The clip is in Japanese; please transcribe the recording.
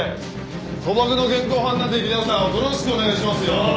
賭博の現行犯なんで皆さんおとなしくお願いしますよ。